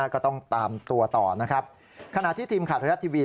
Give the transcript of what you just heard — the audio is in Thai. ก็ต้องตามตัวต่อนะครับขณะที่ทีมข่าวไทยรัฐทีวี